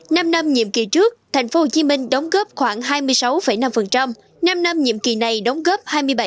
năm năm nhiệm kỳ trước tp hcm đóng góp khoảng hai mươi sáu năm năm nhiệm kỳ này đóng góp hai mươi bảy